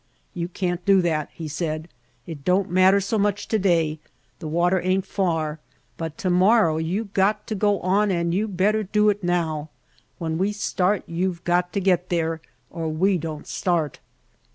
'Tou can't do that," he said. ''It don't matter so much to day, the water ain't far, but to morrow you got to go on and you better do it now. When we start you've got to get there, or we don't start."